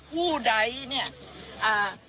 ผู้ใดเนี่ยอ่า